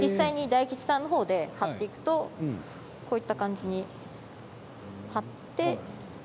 大吉さんのほうで貼っていくとこういった感じに。